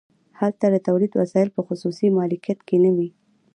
هلته د تولید وسایل په خصوصي مالکیت کې نه وي